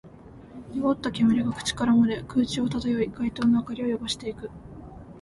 濁った煙が口から漏れ、空中を漂い、街灯の明かりを汚していく